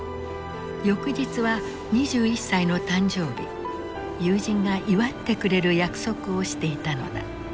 翌日は２１歳の誕生日友人が祝ってくれる約束をしていたのだ。